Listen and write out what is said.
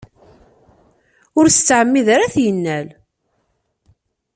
Ur as-ttɛemmid ara ad t-yennal.